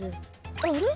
あれ？